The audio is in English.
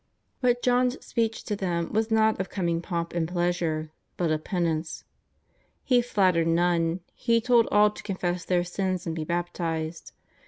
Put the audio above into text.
But John's speech to them was not of coming pomp and pleasure, but of penance. He flattered none; he told all to confess their sins and be baptized.